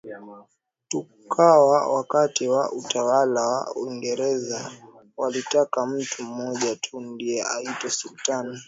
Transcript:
tu kuwa wakati wa Utawala wa Waingereza walitaka mtu mmoja tu ndiyo aitwe Sultan